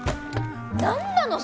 何なの？